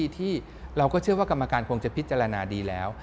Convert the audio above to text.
ที่เราก็เชื่อว่ากรรมการคงจะพิจารณาดีแล้ว